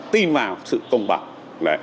tin vào sự công bằng